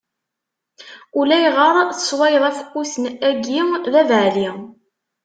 Ulayɣer tesswayeḍ afeqqus-agi, d abeɛli.